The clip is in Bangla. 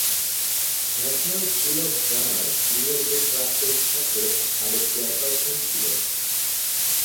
ন্যাশনাল স্কুল অব ড্রামার তিনি একজন প্রাক্তন ছাত্র ও সাবেক চেয়ারপার্সন ছিলেন।